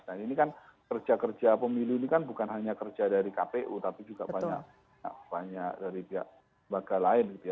nah ini kan kerja kerja pemilu ini kan bukan hanya kerja dari kpu tapi juga banyak dari pihak baga lain gitu ya